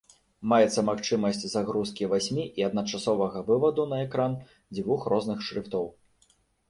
Маецца магчымасць загрузкі васьмі і адначасовага вываду на экран двух розных шрыфтоў.